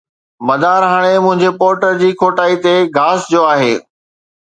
مدار هاڻي منهنجي پورٽر جي کوٽائي تي گھاس جو آهي